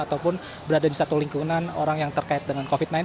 ataupun berada di satu lingkungan orang yang terkait dengan covid sembilan belas